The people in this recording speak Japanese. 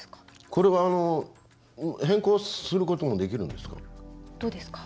これは、変更することもできるんですか？